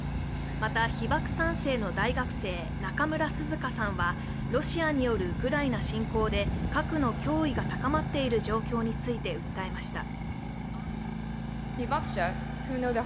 また被爆３世の大学生・中村涼香さんはロシアによるウクライナ侵攻で核の脅威が高まっている状況について訴えました。